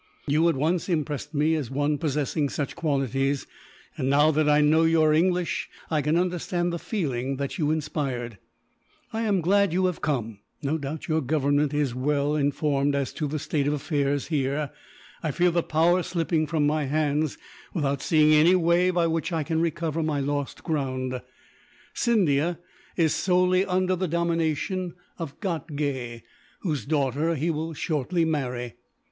You at once impressed me as one possessing such qualities and, now that I know you are English, I can understand the feeling that you inspired. "I am glad you have come. No doubt your Government are well informed, as to the state of affairs here. I feel the power slipping from my hands, without seeing any way by which I can recover my lost ground. Scindia is solely under the domination of Ghatgay, whose daughter he will shortly marry.